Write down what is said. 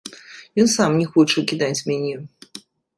Ён сам не хоча кідаць мяне.